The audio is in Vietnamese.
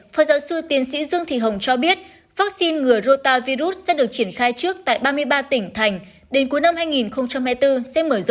phó giáo sư tiến sĩ dương thị hồng cho biết vaccine ngừa rota virus sẽ được triển khai trước